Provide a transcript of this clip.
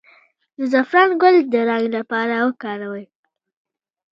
د زعفران ګل د رنګ لپاره وکاروئ